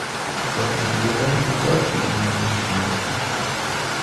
Doch die Bürger befolgten ihn nun nicht mehr.